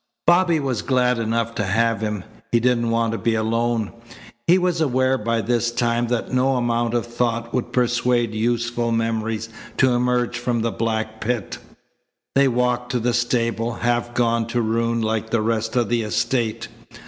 Bobby was glad enough to have him. He didn't want to be alone. He was aware by this time that no amount of thought would persuade useful memories to emerge from the black pit. They walked to the stable, half gone to ruin like the rest of the estate.